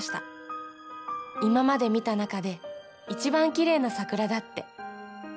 今まで見た中で一番きれいな桜だって。